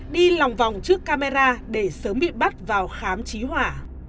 đi lòng vòng trước camera để sớm bị bắt vào khám trí hỏa